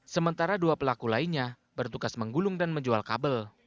sementara dua pelaku lainnya bertugas menggulung dan menjual kabel